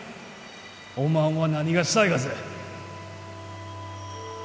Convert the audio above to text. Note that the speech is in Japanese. おまんは何がしたいがぜ？